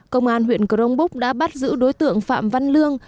công an huyện crong búc đã bắt giữ đối tượng phạm văn lương